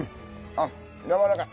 あっやわらかい。